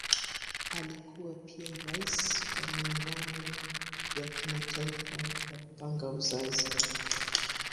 Alikuwa pia Rais wa Muungano ya Kimataifa ya Kupanga Uzazi.